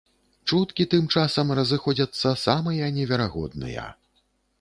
Чуткі тым часам разыходзяцца самыя неверагодныя.